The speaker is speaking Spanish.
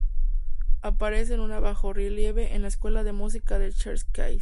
Aparece en un bajorrelieve en la Escuela de Música de Cherkasy.